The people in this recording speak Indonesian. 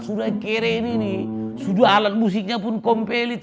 sudah keren ini sudah alat musiknya pun compelite